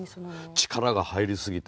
力が入り過ぎて。